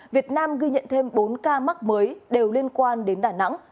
việt nam ghi nhận thêm bốn ca mắc mới đều liên quan đến đà nẵng